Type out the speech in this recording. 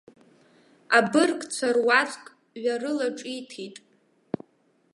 Абыргцәа руаӡәк ҩарылаҿиҭит.